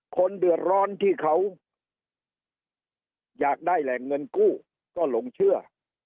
คนเดือดร้อนที่เขาอยากได้แหล่งเงินกู้ก็หลงเชื่อ